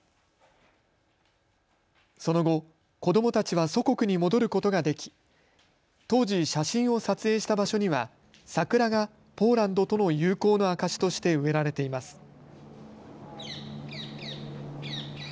その後、子どもたちは祖国に戻ることができ当時、写真を撮影した場所には桜がポーランドとの友好の証しとして植えられています。